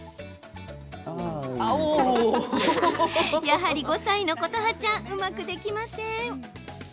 やはり、５歳の琴花ちゃんうまくできません。